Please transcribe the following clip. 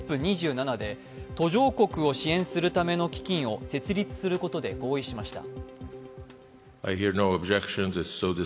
ＣＯＰ２７で途上国を支援するための基金を設立することで合意しました。